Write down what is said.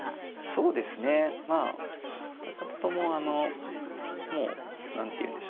そうですねまあお二方ともあのもう何ていうんでしょう